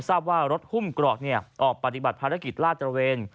ทราบว่ารถฮุ่มกรอกเนี่ยออกปฏิบัติประกิฤติลาดระเวน